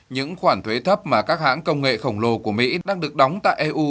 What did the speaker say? những khoản thuế thấp mà các hãng công nghệ khổng lồ của mỹ đang được đóng tại eu